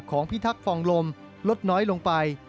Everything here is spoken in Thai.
พิทักษองลมลดน้อยลงไป